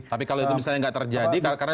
tapi kalau itu misalnya tidak terjadi karena